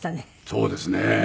そうですね。